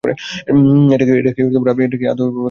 এটা কি আদৌ এভাবে কাজ করে?